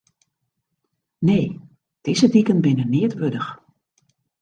Nee, dizze diken binne neat wurdich.